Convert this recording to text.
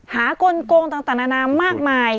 หากลงต่างมากมาย